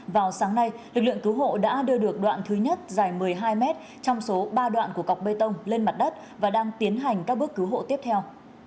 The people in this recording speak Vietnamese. vào sáng nay lực lượng cứu hộ đã đưa được đoạn thứ nhất dài một mươi hai mét trong số ba đoạn của cọc bê tông lên mặt đất và đang tiến hành các bước cứu hộ tiếp theo